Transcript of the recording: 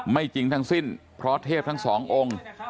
จริงทั้งสิ้นเพราะเทพทั้งสององค์